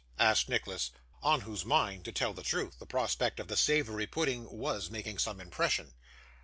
asked Nicholas, on whose mind, to tell the truth, the prospect of the savoury pudding was making some impression.